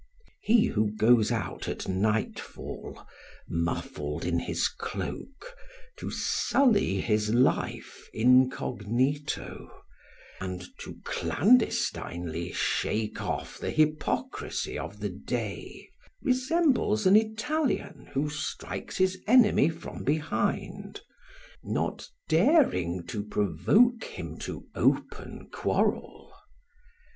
He who goes at nightfall, muffled in his cloak, to sully his life incognito, and to clandestinely shake off the hypocrisy of the day, resembles an Italian who strikes his enemy from behind, not daring to provoke him to open quarrel.